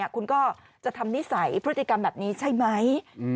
คุณก็จะทำนิสัยพฤติกรรมแบบนี้ใช่ไหม